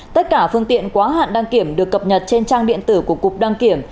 tất cả phương tiện quá hạn đăng kiểm được cập nhật trên trang điện tử của cục đăng kiểm